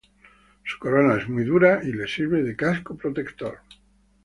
Su corona es muy dura y le sirve de casco protector.